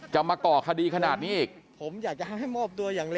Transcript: จะมาก่อคดีขนาดนี้อีก